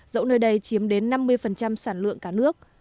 dẫu nơi đây chiếm đến năm mươi sản lượng cả nước